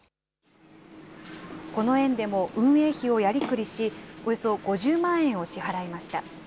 この園でも運営費をやりくりし、およそ５０万円を支払いました。